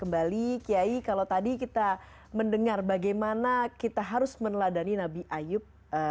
bagaimana kita harus meneladani nabi ayub